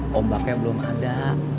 pombaknya belum ada